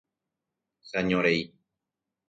cheañorei